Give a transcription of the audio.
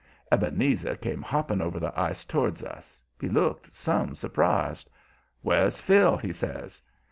Ebenezer came hopping over the ice towards us. He looked some surprised. "Where's Phil?" he says.